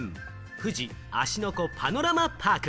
富士芦ノ湖パノラマパーク。